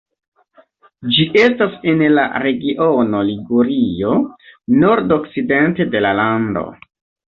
Ĝi estas en la regiono Ligurio nordokcidente de la lando.